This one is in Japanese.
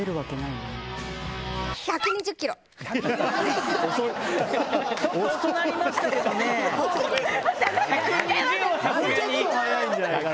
もうちょっと速いんじゃないかな。